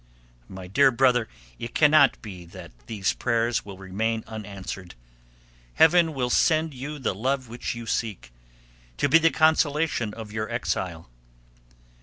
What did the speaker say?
My dear brother, it cannot be that these prayers will remain unanswered. Heaven will send you the love which you seek, to be the consolation of your exile.